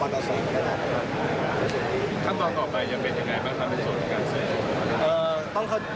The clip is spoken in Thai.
ขั้นตอนต่อไปจะเป็นยังไงบ้างครับในส่วนของการเสพ